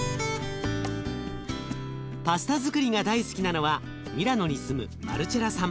パスタづくりが大好きなのはミラノに住むマルチェラさん。